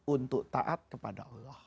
untuk taat kepada allah